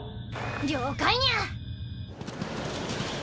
了解ニャ。